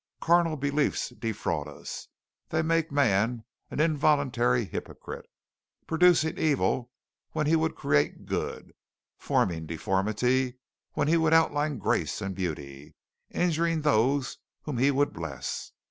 Carnal beliefs defraud us. They make man an involuntary hypocrite producing evil when he would create good, forming deformity when he would outline grace and beauty, injuring those whom he would bless.